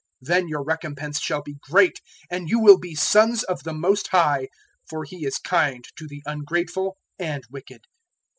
Then your recompense shall be great, and you will be sons of the Most High; for He is kind to the ungrateful and wicked.